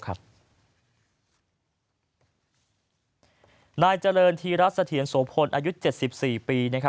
นายเจริญธีรัฐเสถียรโสพลอายุ๗๔ปี